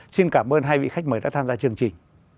xin cảm ơn hai vị khách mời đã tham gia chương trình